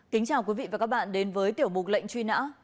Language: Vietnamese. kính chào quý vị và các bạn đến với tiểu mục lệnh truy nã